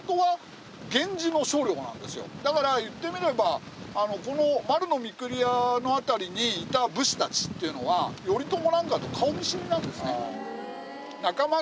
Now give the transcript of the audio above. だから言ってみればこの丸御厨の辺りにいた武士たちっていうのは頼朝なんかと顔見知りなんですね。